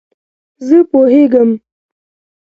زه پوهېږم !